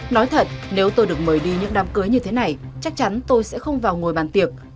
nói thật nếu tôi được mời đi những đám cưới như thế này chắc chắn tôi sẽ không vào ngồi bàn tiệc